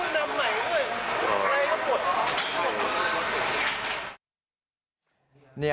พบว่าเนี่ย